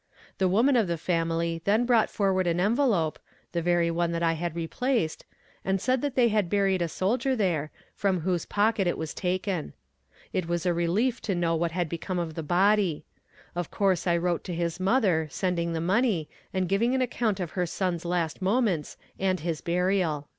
The woman of the family then brought forward an envelope, (the very one that I had replaced), and said they had buried a soldier there, from whose pocket it was taken. It was a relief to know what had become of the body. Of course I wrote to his mother, sending the money, and giving an account of her son's last moments, and his burial."